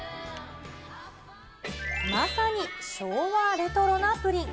まさに昭和レトロなプリン。